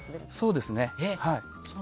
そうですね。